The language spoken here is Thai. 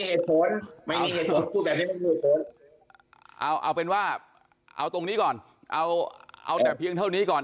เหตุผลเอาเป็นว่าเอาตรงนี้ก่อนเอาเอาแต่เพียงเท่านี้ก่อน